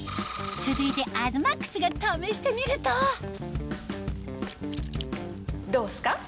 続いて東ＭＡＸが試してみるとどうっすか？